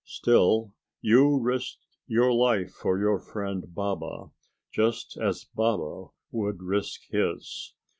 Still you risked your life for your friend Baba, just as Baba would risk his.